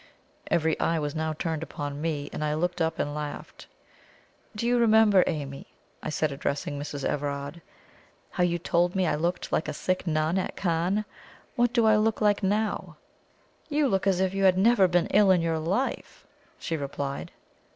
Every eye was now turned upon me, and I looked up and laughed. "Do you remember, Amy," I said, addressing Mrs. Everard, "how you told me I looked like a sick nun at Cannes? What do I look like now?" "You look as if you had never been ill in your life," she replied.